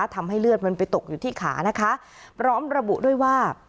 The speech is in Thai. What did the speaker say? ทำให้เลือดมันไปตกอยู่ที่ขานะคะพร้อมระบุด้วยว่า